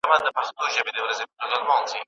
¬ پر خره سپرېدل يو شرم، ځيني کښته کېدل ئې بل شرم.